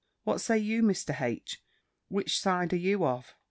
What say you, Mr. H.? Which side are you of?"